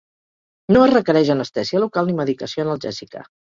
No es requereix anestèsia local ni medicació analgèsica.